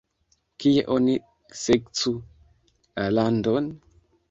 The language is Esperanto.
Kie oni sekcu la landon?